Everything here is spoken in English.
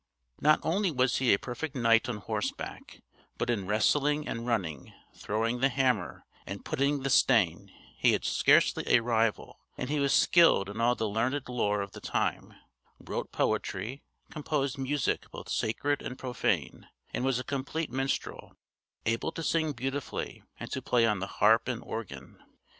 Not only was he a perfect knight on horseback, but in wrestling and running, throwing the hammer, and "putting the stane," he had scarcely a rival, and he was skilled in all the learned lore of the time, wrote poetry, composed music both sacred and profane, and was a complete minstrel, able to sing beautifully and to play on the harp and organ.